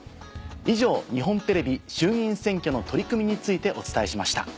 以上日本テレビ衆議院選挙の取り組みについてお伝えしました。